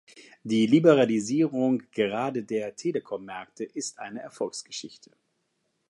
Die Liberalisierung gerade der Telekommärkte ist eine Erfolgsgeschichte.